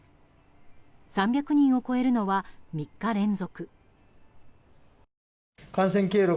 ３００人を超えるのは３日連続。